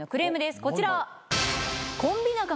こちら。